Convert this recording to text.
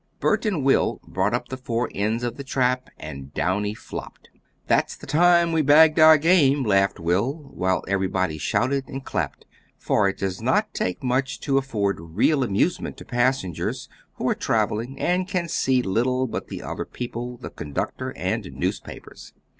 Bert and Will brought up the four ends of the trap and Downy flopped. "That's the time we bagged our game," laughed Will, while everybody shouted and clapped, for it does not take much to afford real amusement to passengers, who are traveling and can see little but the other people, the conductor, and newspapers.